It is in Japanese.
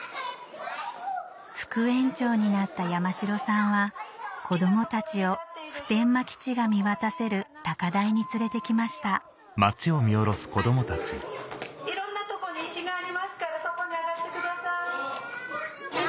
副園長になった山城さんは子供たちを普天間基地が見渡せる高台に連れて来ましたいろんな所に石がありますからそこに上がってください。